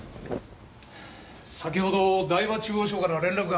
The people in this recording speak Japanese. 先ほど台場中央署から連絡があった。